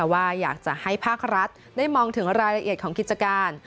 ว่าอยากจะให้ภาครัฐได้มองถึงรายละเอียดของกิจการ